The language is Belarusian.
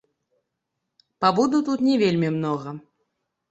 Пабуду тут не вельмі многа.